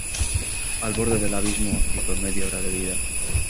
al borde del abismo y con media hora de vida